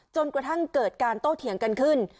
จนกระทั่งเกิดการโต้เถียงกันขึ้น